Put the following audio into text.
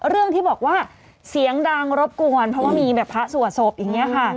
เรื่องที่บอกว่าเสียงดังรบกวนเพราะว่ามีแบบพระสวดศพอย่างนี้ค่ะ